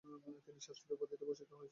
তিনি শাস্ত্রী উপাধিতে ভূষিত হয়েছিলেন।